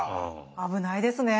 危ないですね。